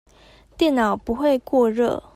電腦不會過熱